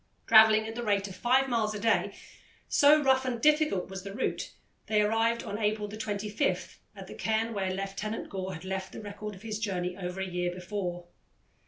Travelling at the rate of five miles a day, so rough and difficult was the route, they arrived on April 25 at the cairn where Lieutenant Gore had left the record of his journey over a year before.